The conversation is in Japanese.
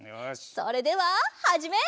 それでははじめい！